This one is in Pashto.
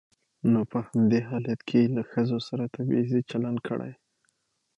نو په همدې حالت کې يې له ښځو سره تبعيضي چلن کړى.